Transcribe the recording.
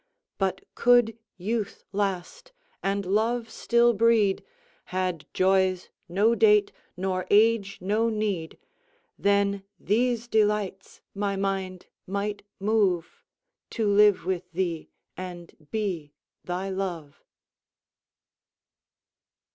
But could youth last, and love still breed, Had joys no date, nor age no need, Then these delights my mind might moveTo live with thee and be thy Love.